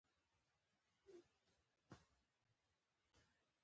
طیاره د سفرونو لپاره عصري حل لاره ده.